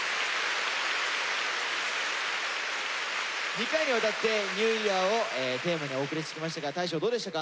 ２回にわたって「ＮＥＷＹＥＡＲ」をテーマにお送りしてきましたが大昇どうでしたか？